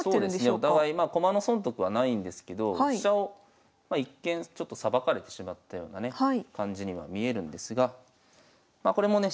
お互いまあ駒の損得はないんですけど飛車を一見さばかれてしまったようなね感じには見えるんですがこれもね